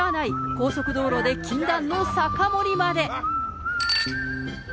高速道路で禁断の酒盛りまで。